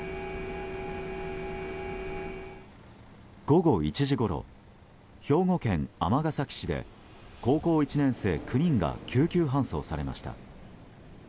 午後１時ごろ兵庫県尼崎市で高校１年生９人が救急搬送されました。